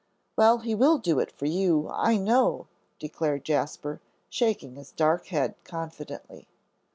"Well, he will do it for you, I know," declared Jasper, shaking his dark head confidently.